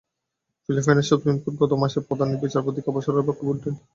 ফিলিপাইনের supreme court গত মাসে প্রধান বিচারপতিকে অপসারণের পক্ষে ভোট দেন।